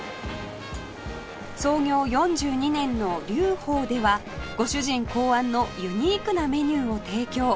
創業４２年の龍鳳ではご主人考案のユニークなメニューを提供